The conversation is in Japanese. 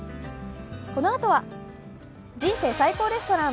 このあとは「人生最高レストラン」。